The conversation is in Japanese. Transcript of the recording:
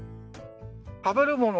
食べるもの